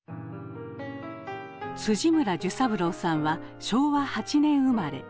村寿三郎さんは昭和８年生まれ。